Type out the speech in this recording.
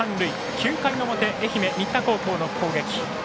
９回の表、愛媛・新田高校の攻撃。